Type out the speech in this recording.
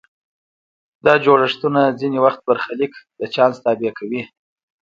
دا جوړښتونه ځینې وخت برخلیک د چانس تابع کوي.